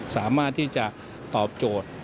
สามารถที่จะตอบโจทย์